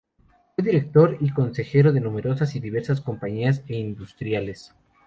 Fue director y consejero de numerosas y diversas compañías e industriales.